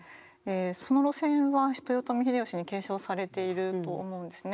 その路線は豊臣秀吉に継承されていると思うんですね。